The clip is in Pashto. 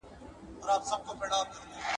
انسان بې وزره مرغه دئ.